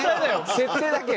設定だけよ。